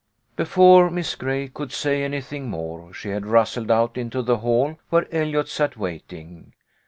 Before Miss Gray could say anything more, she had rustled out into the hall where Eliot sat waiting.